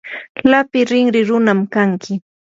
lapi rinri runam kanki.